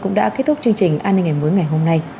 cũng đã kết thúc chương trình an ninh ngày mới ngày hôm nay